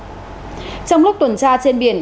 trong lúc tuần tra trên biển